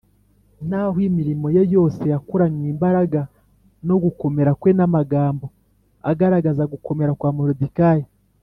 Naho imirimo ye yose yakoranywe imbaraga no gukomera kwe n amagambo agaragaza gukomera kwa Moridekayi